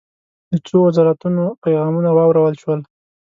د څو وزارتونو پیغامونه واورل شول.